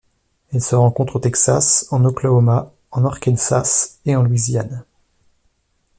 Elle se rencontre au Texas, en Oklahoma, en Arkansas et en Louisiane.